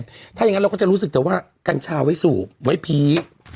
ถ้าอย่างนั้นเราก็จะรู้สึกแต่ว่ากัญชาไว้สูบไว้ผี